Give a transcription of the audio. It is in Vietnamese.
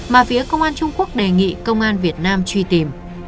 mà phía công an trung quốc đề nghị công an việt nam truy tìm